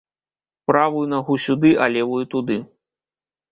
Правую нагу сюды, а левую туды.